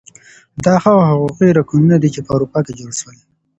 دا هغه حقوقي رکنونه دي چي په اروپا کي جوړ سول.